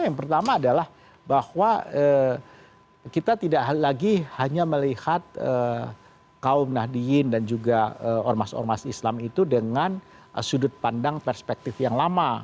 yang pertama adalah bahwa kita tidak lagi hanya melihat kaum nahdiyin dan juga ormas ormas islam itu dengan sudut pandang perspektif yang lama